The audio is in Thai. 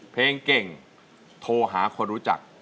เพลงเก่งโทรหาคนรู้จัก